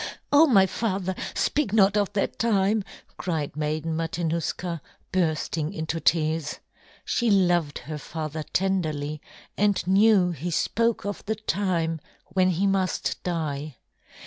"Oh, my father! Speak not of that time," cried Maiden Matanuska, bursting into tears. She loved her father tenderly and knew he spoke of the time when he must die.